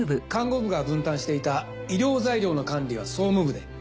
看護部が分担していた医療材料の管理は総務部で。